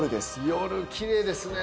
夜きれいですね。